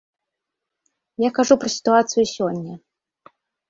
Я кажу пра сітуацыю сёння.